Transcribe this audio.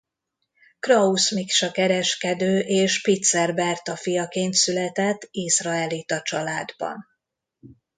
Krausz Miksa kereskedő és Spitzer Berta fiaként született izraelita családban.